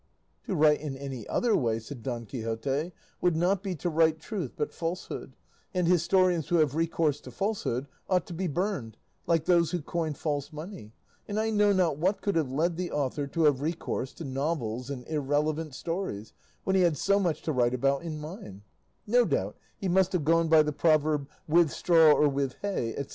"To write in any other way," said Don Quixote, "would not be to write truth, but falsehood, and historians who have recourse to falsehood ought to be burned, like those who coin false money; and I know not what could have led the author to have recourse to novels and irrelevant stories, when he had so much to write about in mine; no doubt he must have gone by the proverb 'with straw or with hay, &c.